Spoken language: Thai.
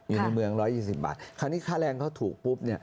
อยู่ในเมือง๑๒๐บาทคราวนี้ค่าแรงเขาถูกปุ๊บเนี่ย